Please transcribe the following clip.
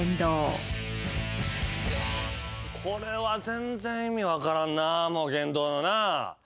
「これは全然意味分からんな言動のな」